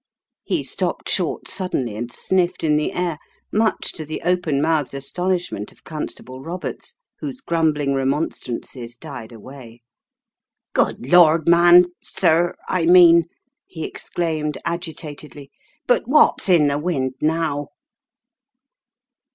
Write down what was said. He stopped short suddenly and sniffed in the air, much to the open mouthed astonishment of Constable Roberts, whose grumbling remonstrances died away. "Good Lord man, sir, I mean," he exclaimed, agitatedly, "but what's in the wind now?"